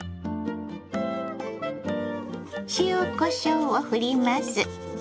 塩こしょうをふります。